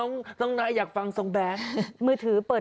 น้าน้าอยากฟังโซงแบ๊ด